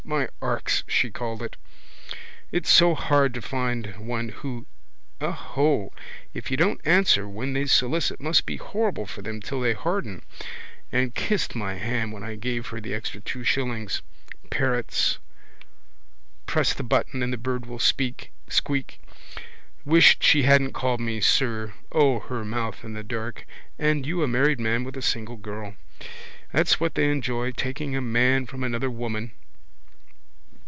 My arks she called it. It's so hard to find one who. Aho! If you don't answer when they solicit must be horrible for them till they harden. And kissed my hand when I gave her the extra two shillings. Parrots. Press the button and the bird will squeak. Wish she hadn't called me sir. O, her mouth in the dark! And you a married man with a single girl! That's what they enjoy. Taking a man from another woman.